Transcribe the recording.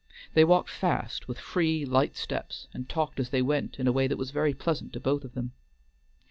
They walked fast, with free, light steps, and talked as they went in a way that was very pleasant to both of them.